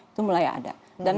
itu mulai ada